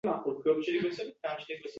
modda ehtiromi yo‘lida yuksak hilqat